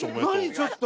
ちょっと！